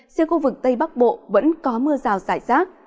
trên khu vực tây bắc bộ vẫn có mưa rào giải rác